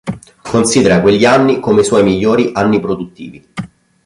Considera quegli anni come i suoi migliori "anni produttivi".